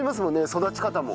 育ち方も。